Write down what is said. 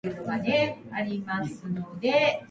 This was his first and only goal for the Greek squad.